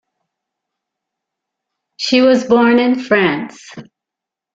She was born in France.